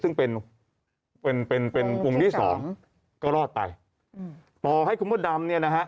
ซึ่งเป็นเป็นกลุ่มที่สองก็รอดไปอืมต่อให้คุณมดดำเนี่ยนะฮะ